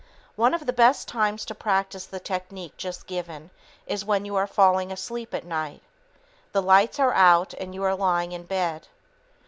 One of the best times to practice the technique just given is when you are falling asleep at night. The lights are out and you are lying in bed.